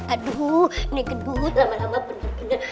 aduh nih gendut lama lama bener bener